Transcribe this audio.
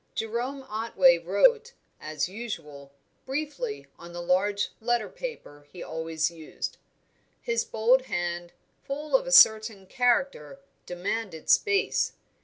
Jerome Otway wrote, as usual, briefly, on the large letter paper he always used; his bold hand, full of a certain character, demanded space.